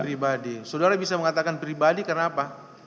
pribadi saudara bisa mengatakan pribadi karena apa